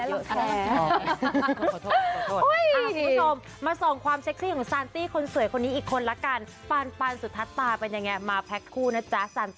อยากไปรับซะเดี๋ยวนี้เลยค่ะคุณผู้ชมค่ะ